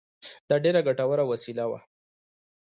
دا ډېره ګټوره وسیله وه.